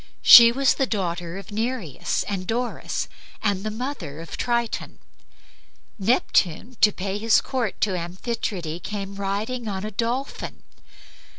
She was the daughter of Nereus and Doris, and the mother of Triton. Neptune, to pay his court to Amphitrite, came riding on a dolphin.